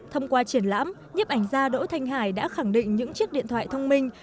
thông qua triển lãm nhiếp ảnh gia đỗ thanh hải đã khẳng định những chiếc điện thoại thông minh